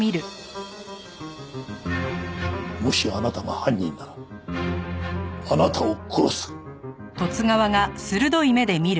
もしあなたが犯人ならあなたを殺す！